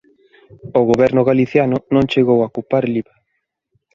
O goberno galiciano non chegou a ocupar Lviv.